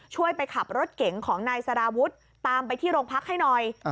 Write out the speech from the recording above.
ไปขับรถเก๋งของนายสารวุฒิตามไปที่โรงพักให้หน่อย